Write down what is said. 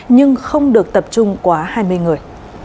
nhưng không được tập trung quá hai mươi người